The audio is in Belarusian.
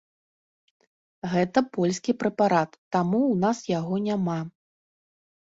Гэта польскі прэпарат, таму ў нас яго няма.